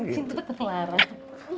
cinta yang terlarang